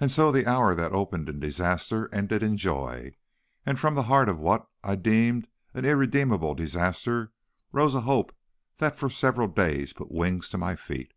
"And so the hour that opened in disaster ended in joy; and from the heart of what I deemed an irredeemable disaster rose a hope that for several days put wings to my feet.